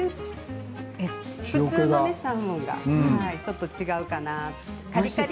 普通のサーモンがちょっと違うかな